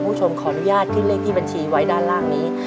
คุณผู้ชมขออนุญาตขึ้นเลขที่บัญชีไว้ด้านล่างนี้